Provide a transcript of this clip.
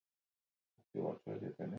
Eusko Jaurlaritzak kudeaturiko portua da.